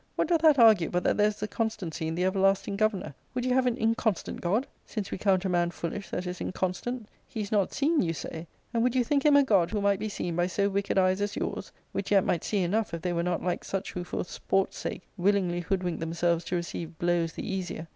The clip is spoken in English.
what doth that argue but that there is a constancy in the everlasting Governor 1 Would you have an inconstant God ; since we count a man foolish that is inconstant ? He is not seen, you say ; and would you think him a god who might be seen by so wicked eyes as yours ? which yet might see enough if they were not like such who for sport sake willingly hoodwink themselves to receive blows the easier.